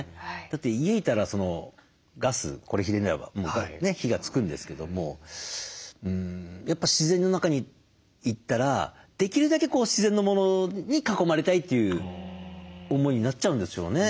だって家いたらガスこれひねれば火がつくんですけどもやっぱ自然の中に行ったらできるだけ自然のものに囲まれたいという思いになっちゃうんですよね。